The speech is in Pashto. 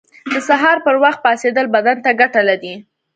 • د سهار پر وخت پاڅېدل بدن ته ګټه لري.